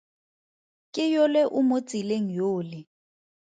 Ke yole o mo tseleng yole.